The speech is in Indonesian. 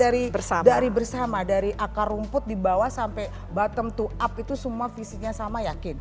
dari bersama dari akar rumput di bawah sampai bottom to up itu semua visinya sama yakin